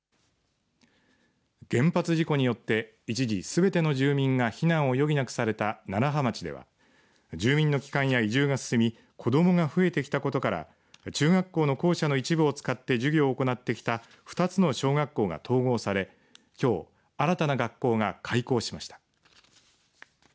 原発事故によって、一時すべての住民が避難を余儀なくされた楢葉町では住民の帰還や移住が進み子どもが増えてきたことから中学校の校舎の一部を使って授業を行ってきた２つの小学校が統合されきょう新たな学校が開校しました。